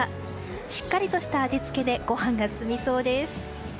しっかりとした味付けでご飯が進みそうです。